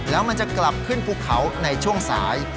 แล้วมันจะกลับขึ้นภูเขาในช่วงสาย